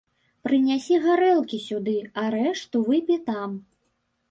Прынясі гарэлкі сюды, а рэшту выпі там.